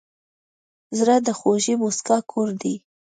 زړه د خوږې موسکا کور دی.